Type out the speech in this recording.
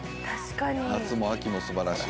夏も秋も素晴らしい。